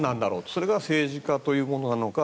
それが政治家というものなのか